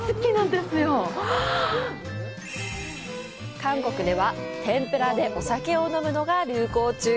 韓国では、天ぷらでお酒を飲むのが流行中。